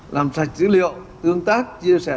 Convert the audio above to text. làm sạch dữ liệu tương tác chia sẻ